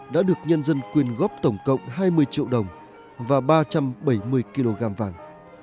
đã được nhân dân quyên góp tổng cộng hai mươi triệu đồng và ba trăm bảy mươi kg vàng